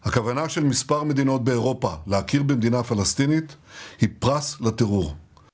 kepada beberapa negara di eropa memiliki keinginan di negara palestina adalah keinginan teror